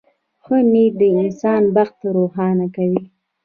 • ښه نیت د انسان بخت روښانه کوي.